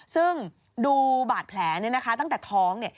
ซึ่งดูบาดแผลนี้นะคะตั้งแต่ท้อง